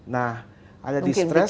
nah ada distress